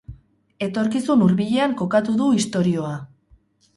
Etorkizun hurbilean kokatu du istorioa.